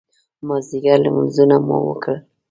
مازدیګر لمونځونه مو وکړل.